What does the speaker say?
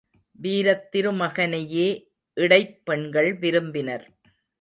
வீரத்திருமகனையே இடைப் பெண்கள் விரும்பினர்.